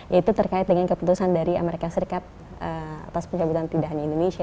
yaitu terkait dengan keputusan dari amerika serikat atas pencabutan tidak hanya indonesia